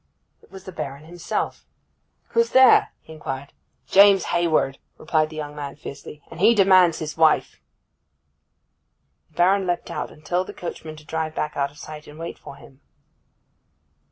It was the Baron himself. 'Who's there?' he inquired. 'James Hayward!' replied the young man fiercely, 'and he demands his wife.' The Baron leapt out, and told the coachman to drive back out of sight and wait for him.